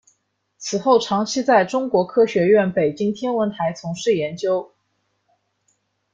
此后长期在中国科学院北京天文台从事研究。